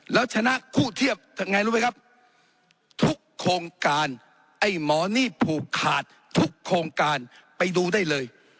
แล้วชนะคู่เทียบไงรู้ไหมครับทุกโครงการไอ้หมอนี่ผูกขาดทุกโครงการไปดูได้เลย